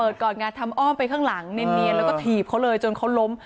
ก่อนไงทำอ้อมไปข้างหลังเนียนแล้วก็ถีบเขาเลยจนเขาล้ม